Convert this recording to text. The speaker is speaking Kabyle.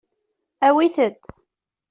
Awit-t.